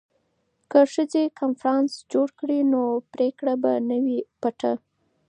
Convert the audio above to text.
که ښځې کنفرانس جوړ کړي نو پریکړه به نه وي پټه.